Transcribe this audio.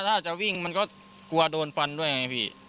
ถ้าจะวิ่งมันก็กลัวโดนฟันด้วยไงพี่